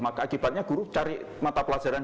maka akibatnya guru cari mata pelajaran